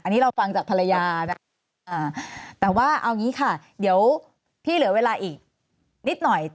อันนี้เราฟังจากภรรยานะแต่ว่าเอางี้ค่ะเดี๋ยวพี่เหลือเวลาอีกนิดหน่อย